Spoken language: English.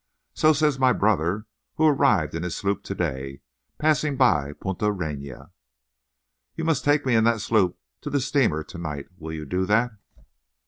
So says my brother, who arrived in his sloop to day, passing by Punta Reina." "You must take me in that sloop to that steamer to night. Will you do that?"